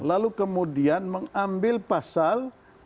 lalu kemudian mengambil pasal